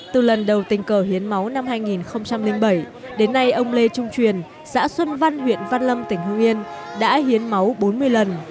từ lần đầu tình cờ hiến máu năm hai nghìn bảy đến nay ông lê trung truyền xã xuân văn huyện văn lâm tỉnh hương yên đã hiến máu bốn mươi lần